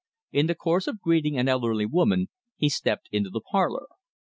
In the course of greeting an elderly woman, he stepped into the parlor.